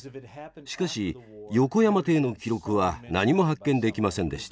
しかし横山艇の記録は何も発見できませんでした。